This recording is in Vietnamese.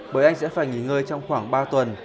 bởi anh sẽ phải nghỉ ngơi trong khoảng ba tuần